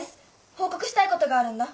報告したいことがあるんだ。